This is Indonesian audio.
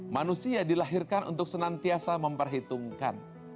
manusia dilahirkan untuk senantiasa memperhitungkan